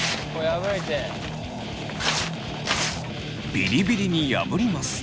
ビリビリに破ります。